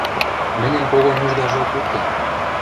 Мӹньӹн кого нуждажок уке.